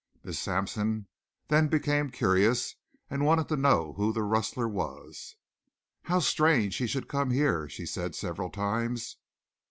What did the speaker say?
Miss Sampson then became curious and wanted to know who the rustler was. "How strange he should come here," she said several times.